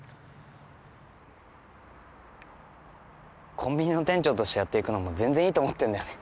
コンビニの店長としてやっていくのも全然いいと思ってんだよね